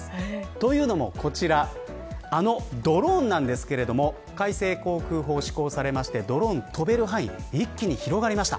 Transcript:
というのもこちらあのドローンなんですけど改正航空法が施行されてドローンの飛べる範囲が一気に広がりました。